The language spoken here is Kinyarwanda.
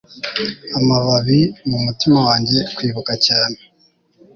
Amababi mumutima wanjye kwibuka cyane